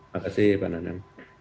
makasih pak nanang